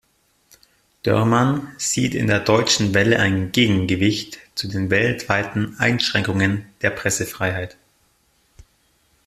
Dörmann sieht in der Deutschen Welle ein Gegengewicht zu den weltweiten Einschränkungen der Pressefreiheit.